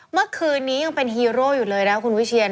เมื่อคืนนี้ยังเป็นฮีโร่อยู่เลยนะคุณวิเชียน